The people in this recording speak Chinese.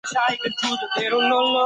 创校校长为陈加恩先生。